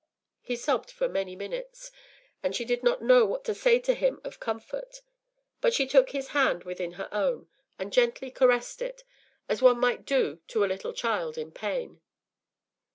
” He sobbed for many minutes, and she did not know what to say to him of comfort; but she took his hand within her own, and gently caressed it, as one might do to a little child in pain.